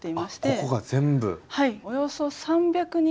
ここが全部。